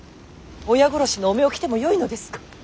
親殺しの汚名を着てもよいのですか。